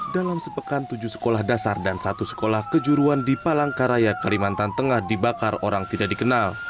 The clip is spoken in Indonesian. dalam sepekan tujuh sekolah dasar dan satu sekolah kejuruan di palangkaraya kalimantan tengah dibakar orang tidak dikenal